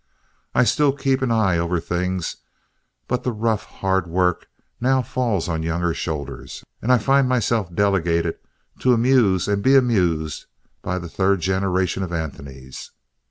I still keep an eye over things, but the rough, hard work now falls on younger shoulders, and I find myself delegated to amuse and be amused by the third generation of the Anthonys.